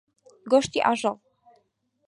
گۆشتی ئاژەڵ.